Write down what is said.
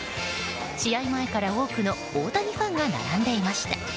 試合前から多くの大谷ファンが並んでいました。